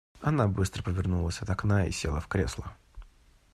Она быстро повернулась от окна и села в кресла.